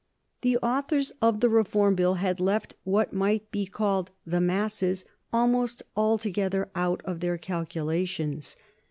The authors of the Reform Bill had left what might now be called "the masses" almost altogether out of their calculations.